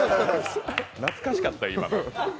懐かしかった、今。